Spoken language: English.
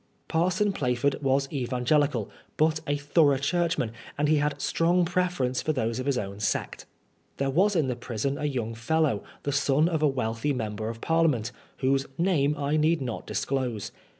Parson Plaf ord was evangelical, but a thorough Churchman, and he had a strong preference for those of his own sect. There was in tiie prison a young fellow, the son of a wealthy member of Parliament, whose name I need not disclose.